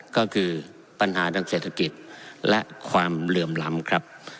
ก็คือปัญหาทางเศรษฐกิจและความเหลื่อมล้ำครับ